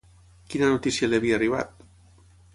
Quina notícia li havia arribat?